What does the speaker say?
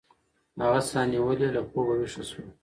هغه ساه نیولې له خوبه ویښه شوه.